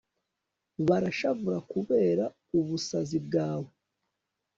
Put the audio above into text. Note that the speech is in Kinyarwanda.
barashavura kubera ubusazi bwawe